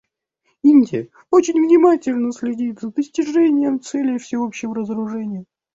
Индия очень внимательно следит за достижением цели всеобщего разоружения.